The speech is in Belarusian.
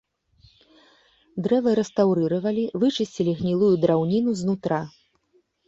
Дрэва рэстаўрыравалі, вычысцілі гнілую драўніну з нутра.